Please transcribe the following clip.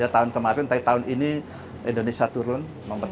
tahun kemarin tahun ini indonesia turun nomor tiga